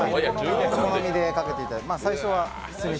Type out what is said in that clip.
お好みでかけていただきます。